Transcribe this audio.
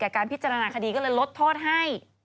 การพิจารณาคดีก็เลยลดโทษให้